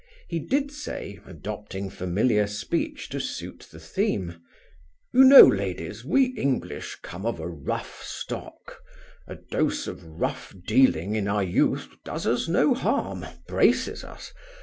He did say, adopting familiar speech to suit the theme, "You know, ladies, we English come of a rough stock. A dose of rough dealing in our youth does us no harm, braces us.